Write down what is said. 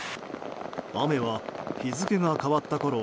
雨は日付が変わったころ